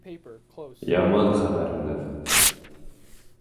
Яман хәбәр менән